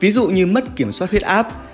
ví dụ như mất kiểm soát huyết áp